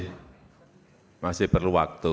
ya masih perlu waktu